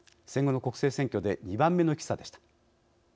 戦後の国政選挙で２番目の低さでした。